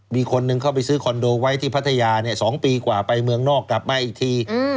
มีคนหนึ่งเข้าไปซื้อคอนโดไว้ที่พัทยา๒ปีกว่าไปเมืองนอกกลับมาอีกที